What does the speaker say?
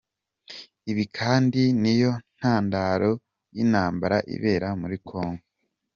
Ibi kandi niyo ntandaro y’intambara ibera muri Congo.